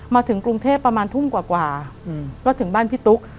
มาถึงกรุงเทพประมาณทุ่มกว่าก็ถึงบ้านพี่ตุ๊ก